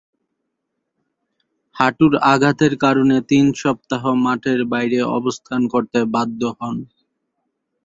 হাঁটুর আঘাতের কারণে তিন সপ্তাহ মাঠের বাইরে অবস্থান করতে বাধ্য হন।